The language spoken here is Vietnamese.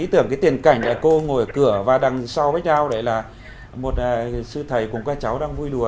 ý tưởng cái tiền cảnh là cô ngồi ở cửa và đằng sau với nhau đấy là một sư thầy cùng các cháu đang vui đùa